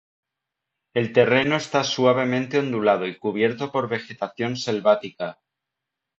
El terreno está suavemente ondulado y cubierto por vegetación selvática.